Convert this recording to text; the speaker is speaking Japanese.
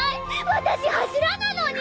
私柱なのに。